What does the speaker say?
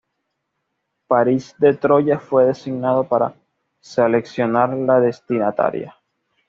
Paris de Troya fue designado para seleccionar la destinataria.